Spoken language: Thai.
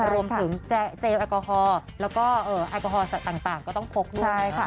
รวมถึงเจลแอลกอฮอล์และก็แอลกอฮอล์ต่างก็ต้องพกด้วยนะใช่ค่ะ